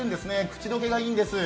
口溶けがいいんです。